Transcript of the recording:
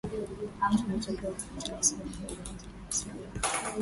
unatakiwa kupata leseni ya huduma za mawasiliano